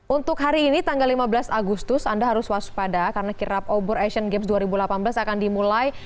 untuk hari ini tanggal lima belas agustus anda harus waspada karena kirap obor asian games dua ribu delapan belas akan dimulai